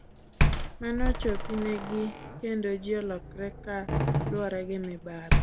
Mano ochopi ne gi kendo ji olokre ka luwre gi mibadhi.